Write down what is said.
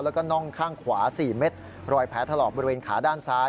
แล้วก็น่องข้างขวา๔เมตรรอยแผลถลอกบริเวณขาด้านซ้าย